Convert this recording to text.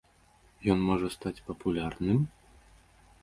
Ён можа стаць папулярным?